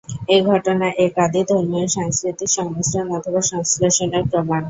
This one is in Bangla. এই ঘটনা এক আদি ধর্মীয় ও সাংস্কৃতিক সংমিশ্রণ অথবা সংশ্লেষণের প্রমাণ।